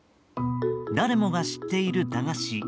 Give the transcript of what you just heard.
誰もが知っている駄菓子